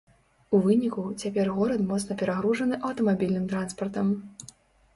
У выніку, цяпер горад моцна перагружаны аўтамабільным транспартам.